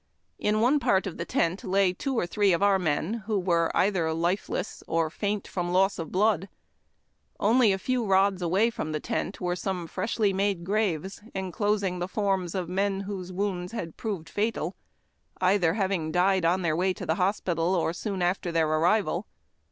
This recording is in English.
In one part of the tent lay two or three of our men, who were either lifeless or faint from loss of blood. Only a few rods away from the tent were some freshly made graves enclosing the forms of men whose wounds had proved fatal, either having died ou their way to the hospital or soon after their arrival.